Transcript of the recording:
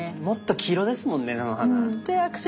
もっと黄色ですもんね菜の花。